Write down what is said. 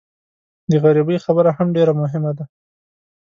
د غریبۍ خبره هم ډېره مهمه ده.